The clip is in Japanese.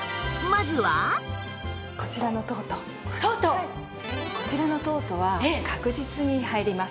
ではこちらのトートは確実に入ります。